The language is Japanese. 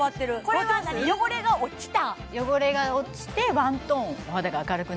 これは何汚れが落ちた？